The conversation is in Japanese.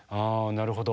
なるほど。